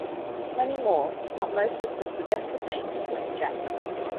Many more, if not most of the suggested names were in jest.